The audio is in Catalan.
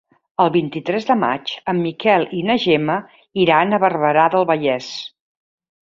El vint-i-tres de maig en Miquel i na Gemma iran a Barberà del Vallès.